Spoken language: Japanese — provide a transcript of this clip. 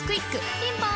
ピンポーン